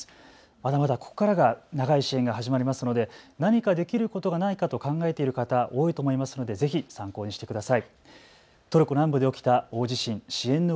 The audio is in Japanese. まだまだここからが長い支援が始まりますので何かできることがないかと考えている方多いと思いますのでぜひ参考にしてください。